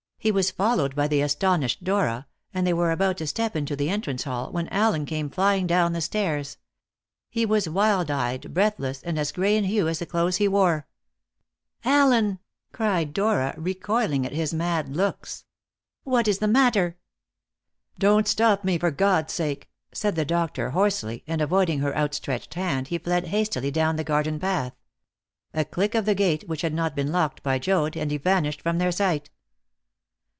He was followed by the astonished Dora, and they were about to step into the entrance hall, when Allen Scott came flying down the stairs. He was wild eyed, breathless, and as gray in hue as the clothes he wore. "Allen!" cried Dora, recoiling at his mad looks, "what is the matter?" "Don't stop me, for God's sake!" said the doctor hoarsely, and avoiding her outstretched hand, he fled hastily down the garden path. A click of the gate, which had not been locked by Joad, and he vanished from their sight.